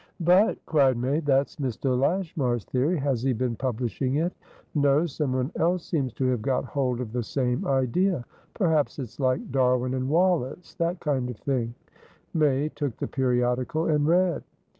"But," cried May, "that's Mr. Lashmar's theory! Has he been publishing it?" "No. Someone else seems to have got hold of the same idea. Perhaps it's like Darwin and Wallacethat kind of thing." May took the periodical, and read.